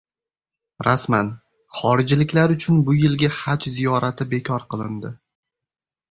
Rasman! Xorijliklar uchun bu yilgi haj ziyorati bekor qilindi